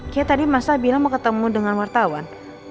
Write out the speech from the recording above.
kayak tadi mas al bilang mau ketemu dengan wartawan